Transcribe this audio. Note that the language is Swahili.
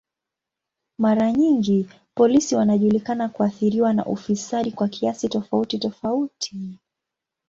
Mara nyingi polisi wanajulikana kuathiriwa na ufisadi kwa kiasi tofauti tofauti.